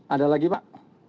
ada lagi pak